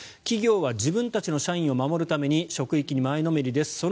企業は自分たちの社員を守るために職域に前のめりです。